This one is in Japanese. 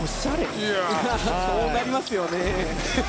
そうなりますよね。